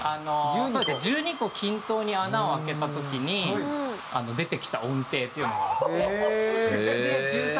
そうですね１２個均等に穴を開けた時に出てきた音程っていうのがあって。